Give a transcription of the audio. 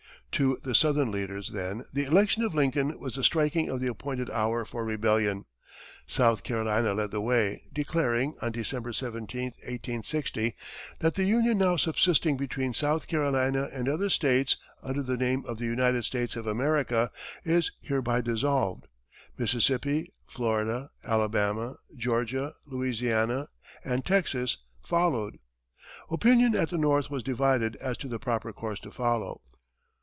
To the southern leaders, then, the election of Lincoln was the striking of the appointed hour for rebellion. South Carolina led the way, declaring, on December 17, 1860, that the "Union now subsisting between South Carolina and other states, under the name of the United States of America, is hereby dissolved." Mississippi, Florida, Alabama, Georgia, Louisiana and Texas followed. Opinion at the North was divided as to the proper course to follow.